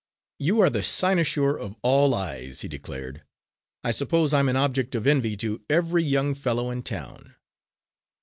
"You are the cynosure of all eyes," he declared. "I suppose I'm an object of envy to every young fellow in town."